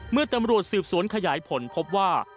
เมื่อตำรวจสืบสวนขยายผลพบว่า